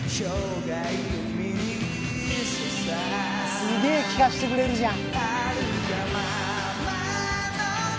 すげえ聴かしてくれるじゃん。